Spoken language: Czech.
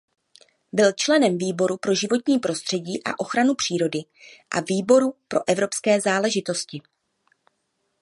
Byl členem výboru pro životní prostředí a ochranu přírody a výboru pro evropské záležitosti.